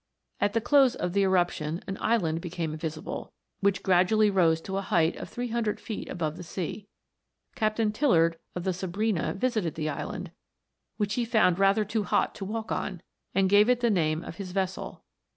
At the close of the eruption an island became visible, which gradually rose to a height of three hundred feet above the sea. Captain Tillard, of the Sabrina, visited the island, which he found rather too hot to walk on, and gave it the name of his vessel.